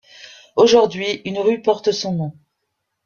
Aujourd'hui, une rue porte son nom.